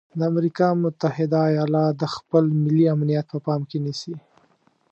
د امریکا متحده ایالات د خپل ملي امنیت په پام کې نیسي.